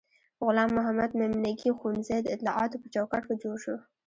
غلام محمد میمنګي ښوونځی د اطلاعاتو په چوکاټ کې جوړ شو.